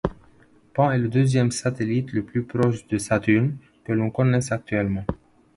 Pan est le deuxième satellite le plus proche de Saturne que l'on connaisse actuellement.